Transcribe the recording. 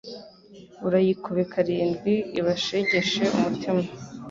urayikube karindwi ibashegeshe umutima